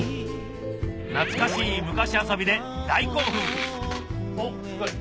懐かしい昔遊びで大興奮おっすごい。